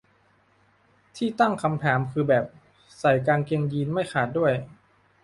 ที่ตั้งคำถามคือแบบ ใส่กางเกงยีนส์ไม่ขาดด้วย